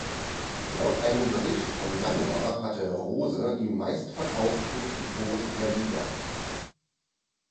Laut einem Bericht vom Januar hatte Rose die meistverkauften Trikots der Liga.